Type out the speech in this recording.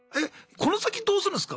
この先どうするんすか？